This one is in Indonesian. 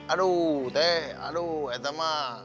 aduh teh aduh eh tambah